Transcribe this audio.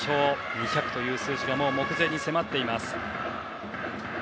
２００という数字がもう目前に迫っています。